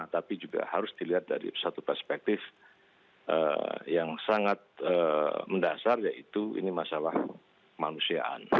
tapi juga harus dilihat dari satu perspektif yang sangat mendasar yaitu ini masalah kemanusiaan